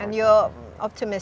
dan anda berpikir